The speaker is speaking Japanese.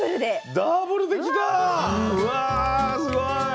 うわすごい！